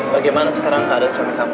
bagaimana sekarang keadaan suami kamu